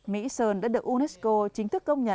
mỹ sơn đã được unesco chính thức công nghiệp